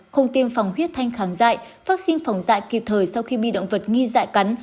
không tiêm phòng huyết thanh kháng dạy vaccine phòng dạy kịp thời sau khi bi động vật nghi dại cắn